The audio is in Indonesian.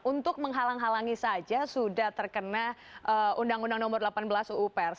untuk menghalang halangi saja sudah terkena undang undang nomor delapan belas uu pers